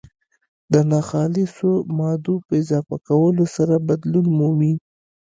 د ناخالصو مادو په اضافه کولو سره بدلون مومي.